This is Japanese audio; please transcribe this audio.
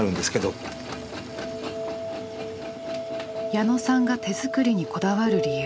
矢野さんが手作りにこだわる理由。